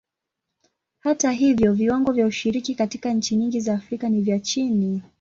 Hata hivyo, viwango vya ushiriki katika nchi nyingi za Afrika ni vya chini.